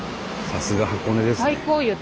さすが箱根ですね。